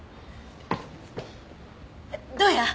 どうや？